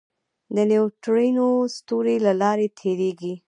د نیوټرینو ستوري له لارې تېرېږي.